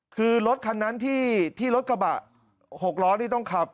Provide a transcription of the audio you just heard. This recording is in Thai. คือรถคันนั้นที่รถกระบะ๖ล้อนี่ต้องขับ